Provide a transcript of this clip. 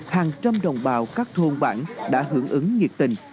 hàng trăm đồng bào các thôn bản đã hưởng ứng nhiệt tình